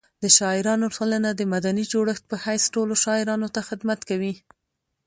د شاعرانو ټولنه د مدني جوړښت په حیث ټولو شاعرانو ته خدمت کوي.